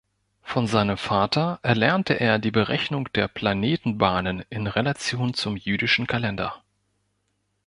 Von seinem Vater erlernte er die Berechnung der Planetenbahnen in Relation zum Jüdischen Kalender.